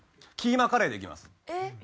キーマカレーできます。